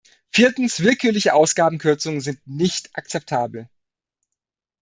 Viertens, willkürliche Ausgabenkürzungen sind nicht akzeptabel.